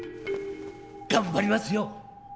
頑張りますよ！